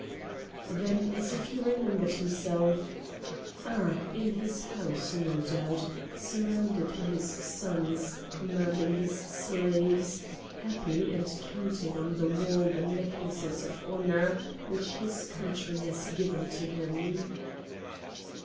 Then, as if he remembered himself: "Ah! in his house, no doubt! surrounded by his sons, commanding his slaves, happy, and counting on the wall the necklaces of honour which his country has given to him!"